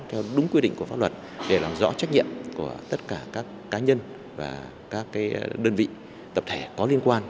theo đúng quy định của pháp luật để làm rõ trách nhiệm của tất cả các cá nhân và các đơn vị tập thể có liên quan